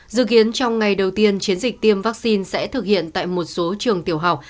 dự kiến trong ngày đầu tiên chiến dịch tiêm vaccine sẽ thực hiện tại một số trường tiểu học